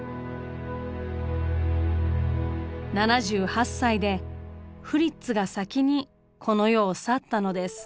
７８歳でフリッツが先にこの世を去ったのです。